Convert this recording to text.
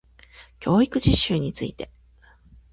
教育実習について